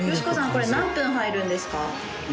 これ何分入るんですか？